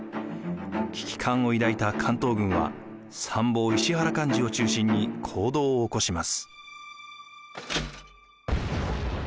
危機感を抱いた関東軍は参謀石原莞爾を中心に行動を起こします。